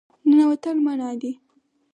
ننوتل منع دي